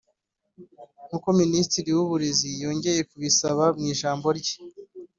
nk’uko Minisitiri Murekezi yongeye kubisaba mu ijambo rye